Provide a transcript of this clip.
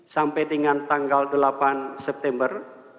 sampai dengan tanggal delapan september